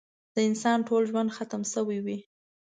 د انسان ټول ژوند ختم شوی وي.